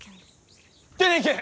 出ていけ！